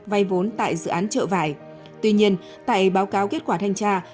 vay vốn tại dự án chợ vải tuy nhiên tại báo cáo kết quả thanh tra